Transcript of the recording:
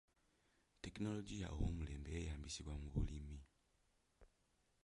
Tekinologiya ow'omulembe yeeyambisibwa mu bulimi.